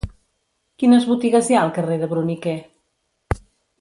Quines botigues hi ha al carrer de Bruniquer?